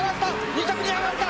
２着に上がった！